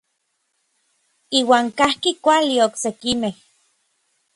Iuan kajki kuali oksekimej.